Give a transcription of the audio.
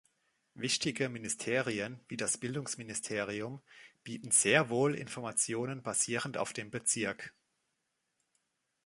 Wichtige Ministerien, wie das Bildungsministerium, bieten sehr wohl Informationen basierend auf dem Bezirk.